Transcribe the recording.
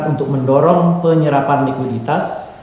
untuk mendorong penyerapan likuiditas